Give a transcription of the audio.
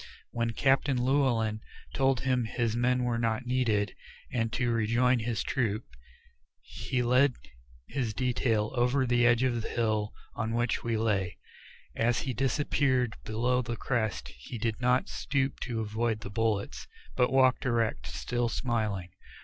When Captain Llewellyn told him his men were not needed, and to rejoin his troop, he led his detail over the edge of the hill on which we lay. As he disappeared below the crest he did not stoop to avoid the bullets, but walked erect, still smiling.